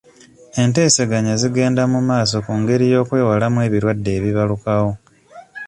Enteesaganya zigenda mu maaso ku ngeri y'okwewalamu ebirwadde ebibalukawo.